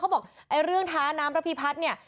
เขาบอกเรื่องท้าน้ำรภิพัฒน์เนี่ย